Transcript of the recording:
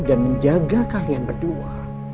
dan menjaga kalian berdua